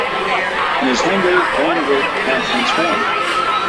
In his anger, Van Wyck had transformed.